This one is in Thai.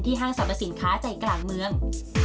ห้างสรรพสินค้าใจกลางเมือง